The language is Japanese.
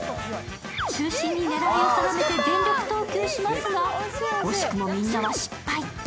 中心に狙いを定めて全力投球しますが、惜しくもみんなは失敗。